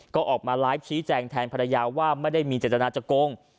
ก็ออกมาไลฟ์ชี้แจงแทนภรรยาว่าไม่ได้มีเจตนาจะโกง